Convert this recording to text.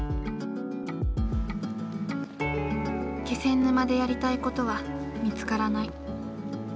気仙沼でやりたいことは見つからない。